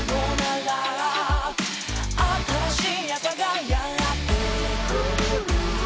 「新しい朝がやってくる」